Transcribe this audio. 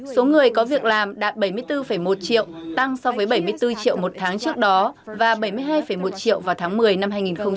số người có việc làm đạt bảy mươi bốn một triệu tăng so với bảy mươi bốn triệu một tháng trước đó và bảy mươi hai một triệu vào tháng một mươi năm hai nghìn một mươi chín